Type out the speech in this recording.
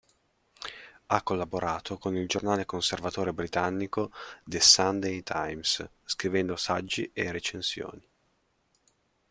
Ha collaborato con il giornale conservatore britannico The Sunday Times scrivendo saggi e recensioni.